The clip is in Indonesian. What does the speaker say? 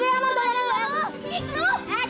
enggak mau kekit